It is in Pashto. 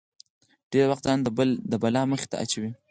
ډېری وخت ځان د بلا مخې ته اچوي.